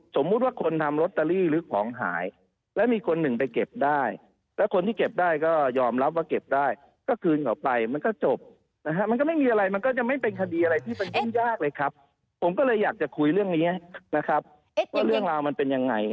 สมมุติว่าคนทำลอตเตอรี่หรือของหายแล้วมีคนหนึ่งไปเก็บได้แล้วคนที่เก็บได้ก็ยอมรับว่าเก็บได้ก็คืนเขาไปมันก็จบนะฮะมันก็ไม่มีอะไรมันก็จะไม่เป็นคดีอะไรที่มันยุ่งยากเลยครับผมก็เลยอยากจะคุยเรื่องนี้นะครับว่าเรื่องราวมันเป็นยังไง